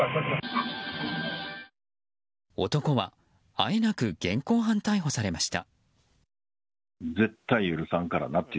男はあえなく現行犯逮捕されました。